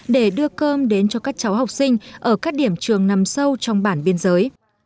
để đưa cơm đến cho các cháu học sinh ở các điểm trường nằm sâu trong bản biên giới